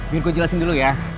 biar gue jelasin dulu ya